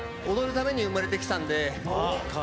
踊るために生まれてきたんで。